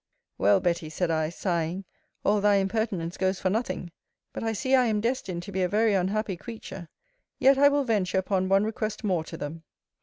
Well, Betty, said I, sighing, all thy impertinence goes for nothing. But I see I am destined to be a very unhappy creature. Yet I will venture upon one request more to them.